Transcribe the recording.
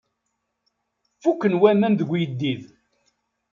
Fukken waman deg uyeddid.